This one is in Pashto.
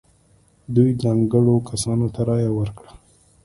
دوی ځانګړو کسانو ته رایه ورکړه.